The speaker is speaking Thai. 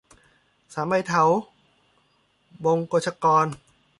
สามใบเถา - บงกชกร